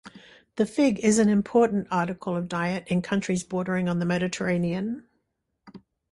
The fig is an important article of diet in countries bordering on the Mediterranean.